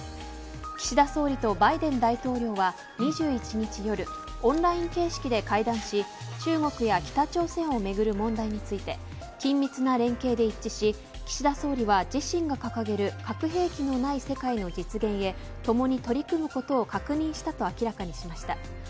岸田総理とバイデン大統領は２１日夜オンライン形式で会談し中国や北朝鮮をめぐる問題について緊密な連携で一致し岸田総理大臣は自身が掲げる核兵器のない世界の実現へともに取り組むことを確認したと明らかにしました。